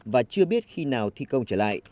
và chưa biết khi nào thi công trở lại